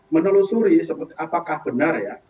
menelusuri apakah benar